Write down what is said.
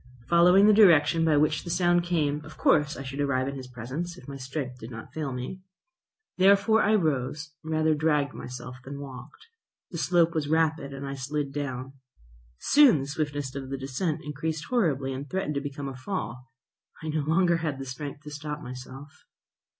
Following the direction by which the sound came, of course I should arrive in his presence, if my strength did not fail me. I therefore rose; I rather dragged myself than walked. The slope was rapid, and I slid down. Soon the swiftness of the descent increased horribly, and threatened to become a fall. I no longer had the strength to stop myself.